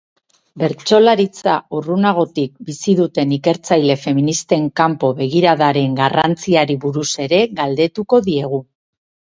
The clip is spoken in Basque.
Bertsolaritza urrunagotik bizi duten ikertzaile feministen kanpo begiradaren garrantziari buruz ere galdetuko diegu.